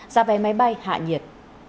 gia vé máy bay hạ nhiệt